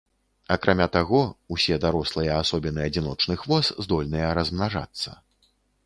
Акрамя таго, усе дарослыя асобіны адзіночных вос здольныя размнажацца.